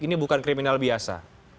ini bukan kriminal biasa